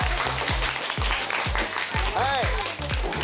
はい！